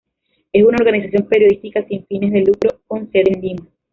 Es una organización periodística sin fines de lucro con sede en Lima.